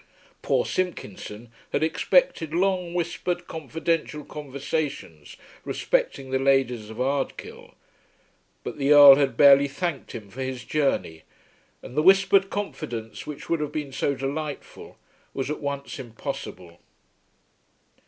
Poor Simpkinson had expected long whispered confidential conversations respecting the ladies of Ardkill; but the Earl had barely thanked him for his journey; and the whispered confidence, which would have been so delightful, was at once impossible.